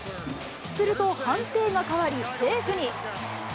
すると、判定が変わり、セーフに。